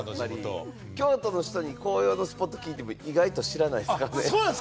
京都の人に紅葉のスポット聞いても、意外と知らないですからね。